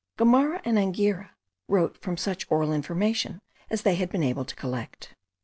Gomara and Anghiera wrote from such oral information as they had been able to collect.